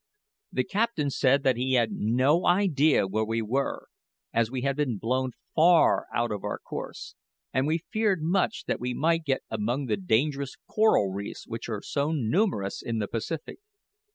The captain said that he had no idea where we were, as we had been blown far out of our course; and we feared much that we might get among the dangerous coral reefs which are so numerous in the Pacific.